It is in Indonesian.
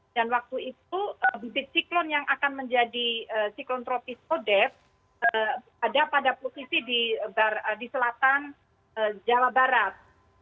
dan waktu itu bibit siklon yang akan menjadi siklon tropis odet ada pada posisi di selatan jawa barat